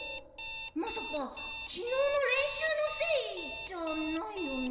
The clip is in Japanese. まさかきのうのれんしゅうのせいじゃないよね？